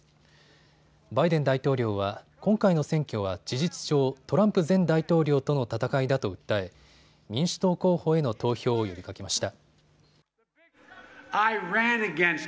バイデン大統領は、今回の選挙は事実上、トランプ前大統領とのたたかいだと訴え民主党候補への投票を呼びかけました。